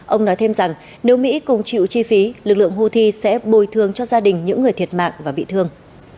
ông nói thêm rằng nếu mỹ cùng chịu chi phí lực lượng houthi sẽ bồi thường cho gia đình những người thiệt mạng và bị thương